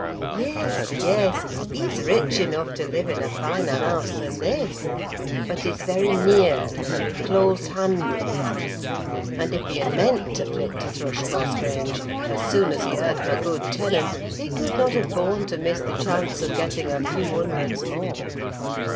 Yes, yes, he's rich enough to live in a finer house than this: but he's very near—close handed; and, if he had meant to flit to Thrushcross Grange, as soon as he heard of a good tenant he could not have borne to miss the chance of getting a few hundreds more.